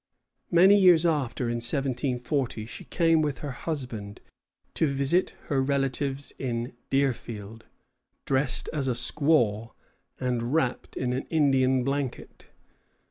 Many years after, in 1740, she came with her husband to visit her relatives in Deerfield, dressed as a squaw and wrapped in an Indian blanket.